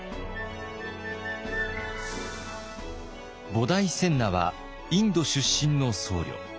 菩提僊那はインド出身の僧侶。